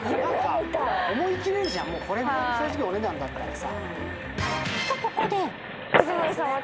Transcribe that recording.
思い切れるじゃん、正直このぐらいのお値段だったらさ。